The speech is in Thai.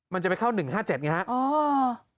มันจะไปเข้า๑๕๗ไงครับ